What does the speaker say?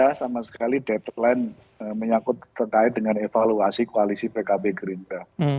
tidak sama sekali deadline menyakut terkait dengan evaluasi koalisi pkb gerindra